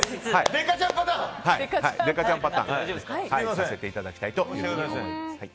デッカチャンパターンとさせていただきたいと思います。